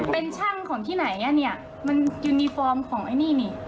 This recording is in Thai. เป็นช่างของที่ไหนอ่ะเนี่ยมันยูนิฟอร์มของไอ้นี่นี่